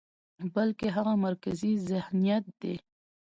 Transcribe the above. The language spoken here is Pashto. بلکې هغه مرکزي ذهنيت دى،